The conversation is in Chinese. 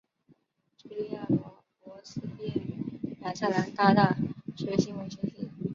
茱莉亚罗勃兹毕业于亚特兰大大学新闻学系。